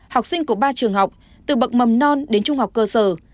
học sinh của ba trường học từ bậc mầm non đến trung học cơ sở